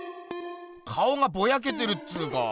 顔がボヤけてるっつうか。